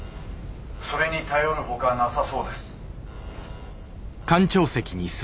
それに頼るほかなさそうです。